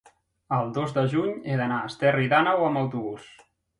el dos de juny he d'anar a Esterri d'Àneu amb autobús.